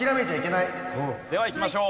ではいきましょう。